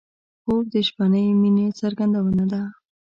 خوب د شپهنۍ مینې څرګندونه ده